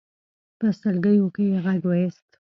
په سلګيو کې يې غږ واېست.